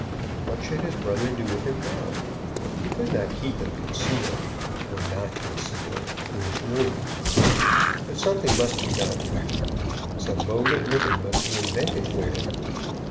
What should his brother do with him now? He could not keep him concealed, or not concealed, in his rooms. But something must be done. Some mode of living must be invented for him.